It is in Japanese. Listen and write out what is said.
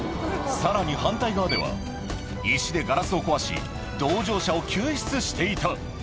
さらに反対側では、石でガラスを壊し、同乗者を救出していた。